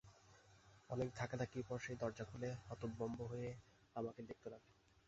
অনেক ধাক্কাধাব্ধির পর সে দরজা খুলে হতভম্ব হয়ে আমাকে দেখতে লাগল।